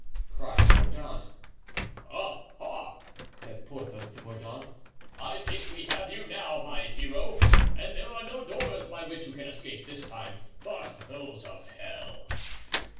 cried Mordaunt. "Ah! ah!" said Porthos to Mordaunt, "I think we have you now, my hero! and there are no doors by which you can escape this time but those of hell."